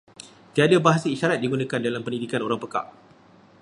Tiada bahasa isyarat digunakan dalam pendidikan orang pekak.